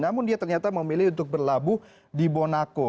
namun dia ternyata memilih untuk berlabuh di bonaco